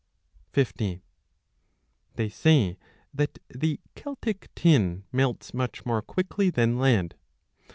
50 They say that the Celtic tin melts much more quickly than lead.